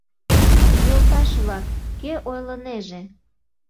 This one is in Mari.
Йолташ-влак, кӧ ойлынеже?